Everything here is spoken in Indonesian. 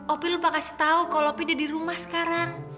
opi lupa kasih tau kalau opi dia di rumah sekarang